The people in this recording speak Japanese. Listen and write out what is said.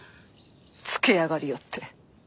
つけあがりよって。